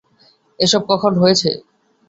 এসব কখন হয়েছে?